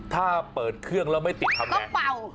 ถ้าเปิดเครื่องแล้วไม่ติดทำใหร่